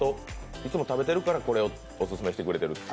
いつも食べてるから、これをオススメしてくれている？